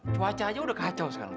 cuaca aja udah kacau sekarang